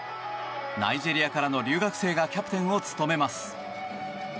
ナイジェリアからの留学生がキャプテンを務めます。